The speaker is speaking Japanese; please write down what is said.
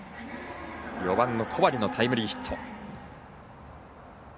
４番、小針のタイムリーヒット。